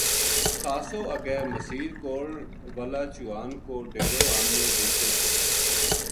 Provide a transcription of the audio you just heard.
خاصو اگے مسیت کول وَلا چوہان کو ڈیرو ہم نے دیکھیو تھو